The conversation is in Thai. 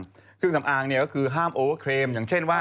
เครื่องสำอางเนี่ยก็คือห้ามโอเวอร์เครมอย่างเช่นว่า